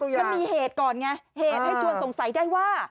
มันมีเหตุก่อนไงเหตุให้ชวนสงสัยได้ว่า